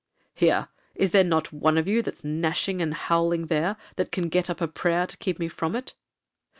—'Here,—is not there one of you that's gnashing and howling there, that can get up a prayer to keep me from it?'